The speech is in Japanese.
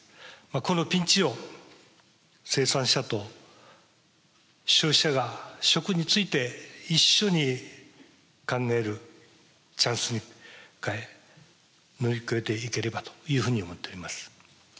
このピンチを生産者と消費者が食について一緒に考えるチャンスに変え乗り越えていければというふうに思っております。